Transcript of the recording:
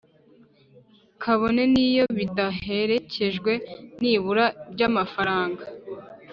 kabone n'iyo bidaherekejwe n'ibura ry'amafaranga.